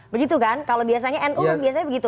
begitu kan kalau biasanya nu biasanya begitu